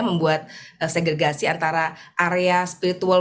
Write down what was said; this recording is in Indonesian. membuat segregasi antara area spiritual